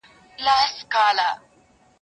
دا قلم له هغه ښه دی؟!